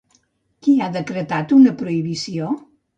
Qui ha decretat una prohibició?